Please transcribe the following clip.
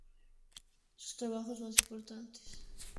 Sus trabajos más importantes se refieren a la filosofía.